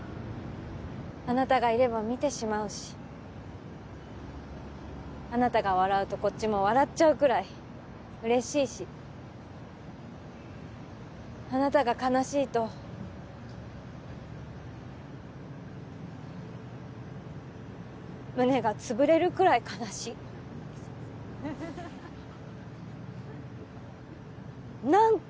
あなたがいれば見てしまうしあなたが笑うとこっちも笑っちゃうくらい嬉しいしあなたが悲しいと胸が潰れるくらい悲しい何っ